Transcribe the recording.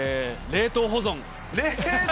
冷凍保存？